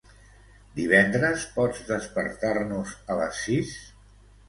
Divendres pots despertar-nos a les sis?